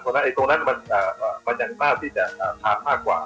มันอาจจะทานมากกว่า